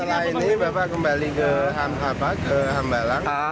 ya ini bapak kembali ke hambala